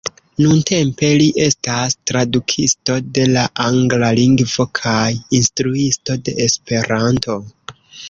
Nuntempe li estas tradukisto de la Angla Lingvo kaj Instruisto de Esperanto.